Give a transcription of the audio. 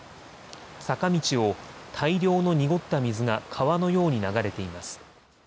坂道を大量の濁った水が川のように流れています。